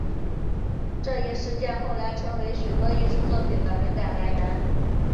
这一事件后来成为许多艺术作品的灵感来源。